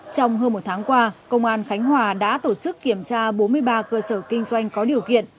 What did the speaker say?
trong hơn một tháng qua công an khánh hòa đã tổ chức kiểm tra bốn mươi ba cơ sở kinh doanh có điều kiện